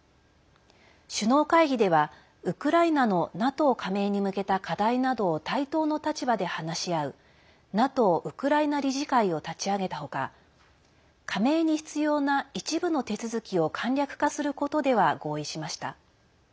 首脳会議では、ウクライナのＮＡＴＯ加盟に向けた課題などを対等の立場で話し合うＮＡＴＯウクライナ理事会を立ち上げた他加盟に必要な一部の手続きを簡略化することでは合意しました。